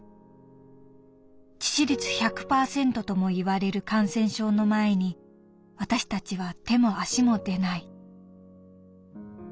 致死率１００％ともいわれる感染症の前に私たちは手も足も出ない」。